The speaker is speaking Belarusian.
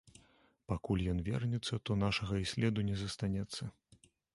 Пакуль ён вернецца, то нашага і следу не застанецца.